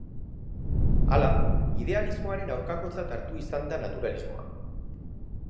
Hala, idealismoaren aurkakotzat hartu izan da naturalismoa.